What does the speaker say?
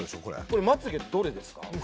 これ睫どれですか？